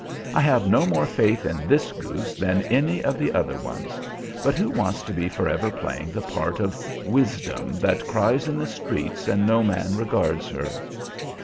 I have no more faith in this goose than in any of the other ones, but who wants to be forever playing the part of Wisdom "that cries in the streets and no man regards her"?